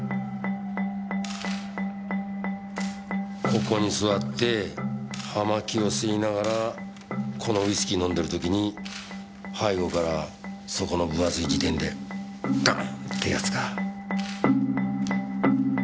ここに座って葉巻を吸いながらこのウイスキー飲んでる時に背後からそこの分厚い事典でゴンってやつか。